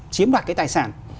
chiếm đoạt cái tài sản